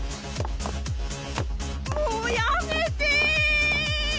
もうやめて！